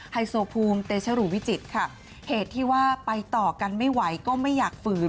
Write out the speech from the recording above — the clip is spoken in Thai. ไฮโซภูมิเตชรูวิจิตรค่ะเหตุที่ว่าไปต่อกันไม่ไหวก็ไม่อยากฝืน